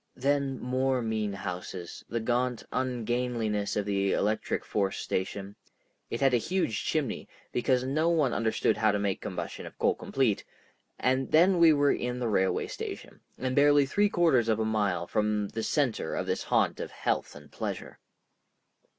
Then more mean houses, the gaunt ungainliness of the electric force station—it had a huge chimney, because no one understood how to make combustion of coal complete—and then we were in the railway station, and barely three quarters of a mile from the center of this haunt of health and pleasure.